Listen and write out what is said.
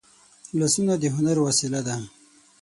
لاسونه د هنر وسیله ده